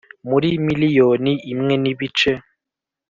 muri miliyoni imwe n'ibice